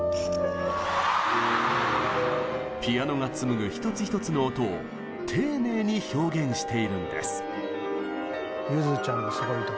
ピアノが紡ぐ一つ一つの音を丁寧に表現しているんです。